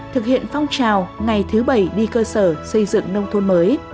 thực hiện phong trào ngày thứ bảy đi cơ sở xây dựng nông thôn mới